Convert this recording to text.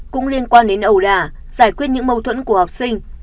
cũng liên quan đến ẩu đả giải quyết những mâu thuẫn của học sinh